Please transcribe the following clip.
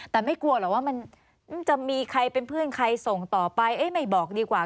แต่ไม่กลัวหรอกว่ามันจะมีใครเป็นเพื่อนใครส่งต่อไปเอ๊ะไม่บอกดีกว่า